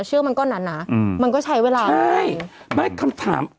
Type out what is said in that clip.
เชือกมันก็นานนานมันก็ใช้เวลา